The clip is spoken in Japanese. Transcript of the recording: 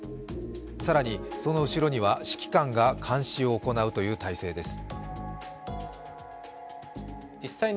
更に、その後ろには指揮官が監視を行うという態勢です。